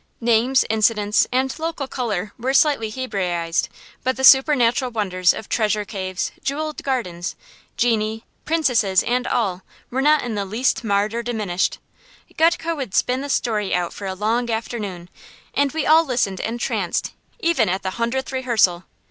Names, incidents, and "local color" were slightly Hebraized, but the supernatural wonders of treasure caves, jewelled gardens, genii, princesses, and all, were not in the least marred or diminished. Gutke would spin the story out for a long afternoon, and we all listened entranced, even at the hundredth rehearsal.